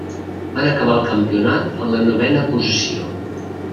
Van acabar el campionat en la novena posició.